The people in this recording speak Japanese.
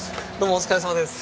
お疲れさまです。